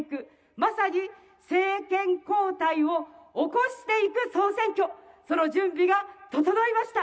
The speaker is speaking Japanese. まさに政権交代を起こしていく総選挙、その準備が整いました。